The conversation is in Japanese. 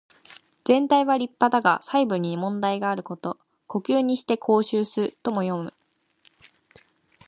全体は立派だが細部に問題があること。「狐裘にして羔袖す」とも読む。